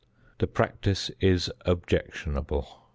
The practice is objectionable.